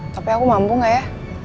tapi aku mampu gak ya